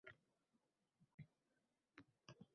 Qadriyatlarning turli xil bo’lishi tabiiy